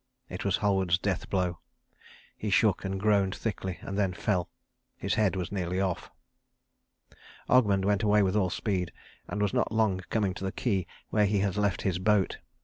It was Halward's death blow. He shook and groaned thickly, and then fell. His head was nearly off. Ogmund went away with all speed, and was not long coming to the quay where he had left his boat.